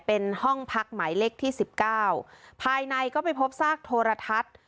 เป็นห้องพักหมายเลขที่สิบเก้าภายในก็ไปพบซากโทรทัศน์